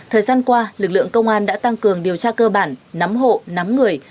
thời gian qua lực lượng công an đã tăng cường điều tra cơ bản nắm hộ nắm người